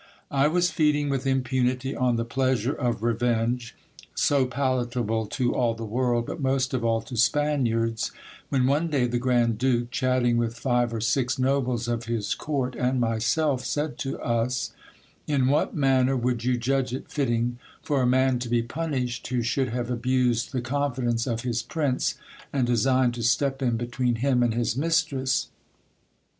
I was feeding with impunity on the pleasure of revenge, so palatable to all the world, but most of all to Spaniards, when one day the grand duke, chatting with five or six nobles of his court and myself, said to us : In what manner would you judge it fitting for a man to be punished, who should have abused the confidence of his prince, and designed to step in between him and his mistress